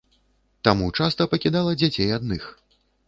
Таму часта пакідала дзяцей адных.